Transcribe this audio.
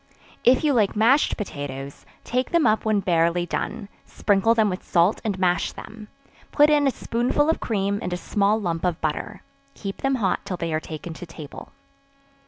If you like mashed potatoes, take them up when barely done, sprinkle them with salt and mash them; put in a spoonful of cream and a small lump of butter; keep them hot till they are taken to table.